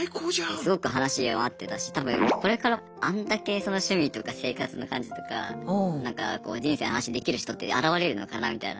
すごく話も合ってたし多分これからあんだけ趣味とか生活の感じとか人生安心できる人って現れるのかなみたいな。